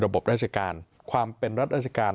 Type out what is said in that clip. บราชการความเป็นรัฐราชการ